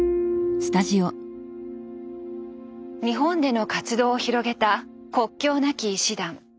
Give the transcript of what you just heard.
日本での活動を広げた国境なき医師団。